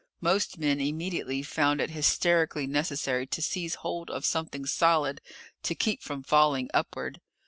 Most men immediately found it hysterically necessary to seize hold of something solid to keep from falling upward.